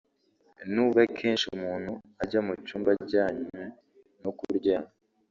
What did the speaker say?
n’ubwo akenshi umuntu ajya mu cyumba ajyanwe no kuryama